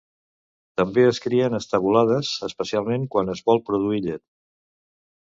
També es crien estabulades, especialment quan es vol produir llet.